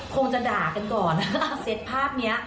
คงจะด่ากันก่อนนะครับเสร็จภาพเนี่ย